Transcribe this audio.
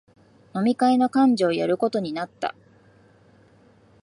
飲み会の幹事をやることになった